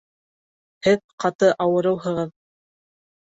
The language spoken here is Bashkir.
Һеҙ ҡаты ауырыуһығыҙ